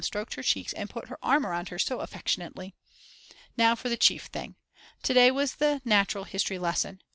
stroked her cheeks and put her arm round her so affectionately. Now for the chief thing. Today was the Natural History lesson.